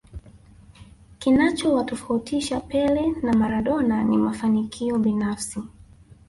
kinachowatofautisha pele na maradona ni mafanikio binafsi